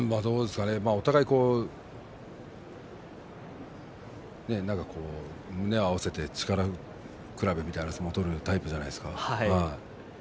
お互い胸を合わせて力比べみたいな感じの相撲を取るタイプじゃないですか。